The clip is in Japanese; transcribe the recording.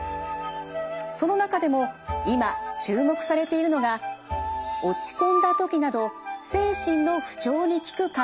その中でも今注目されているのが落ち込んだ時など精神の不調に効く漢方薬です。